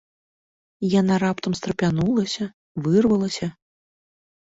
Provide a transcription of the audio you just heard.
Яна раптам страпянулася, вырвалася.